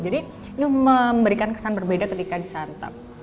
jadi ini memberikan kesan berbeda ketika disantap